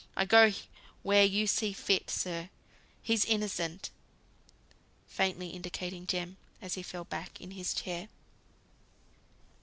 I'll go where you see fit, sir. He's innocent," faintly indicating Jem, as he fell back in his chair.